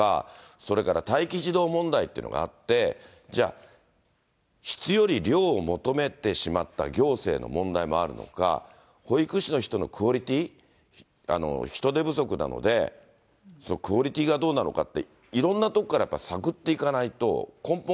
それから待機児童問題というのがあって、じゃあ、質より量を求めてしまった行政の問題もあるのか、保育士の人のクオリティー、人手不足なので、そのクオリティーがどうなのかって、いろんなところからやっぱり探っていかないと、